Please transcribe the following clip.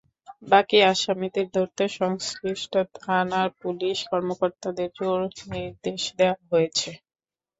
বাকি আসামিদের ধরতে সংশ্লিষ্ট থানার পুলিশ কর্মকর্তাদের জোর নির্দেশ দেওয়া হয়েছে।